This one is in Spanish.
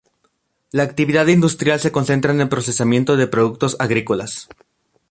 La actividad industrial se concentra en el procesamiento de productos agrícolas.